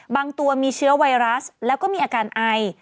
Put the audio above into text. บางตัวมีเชื้อไวรัสแล้วก็มีอาการไอ